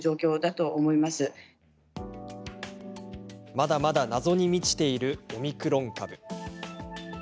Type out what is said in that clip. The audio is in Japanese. まだまだ謎に満ちているオミクロン株。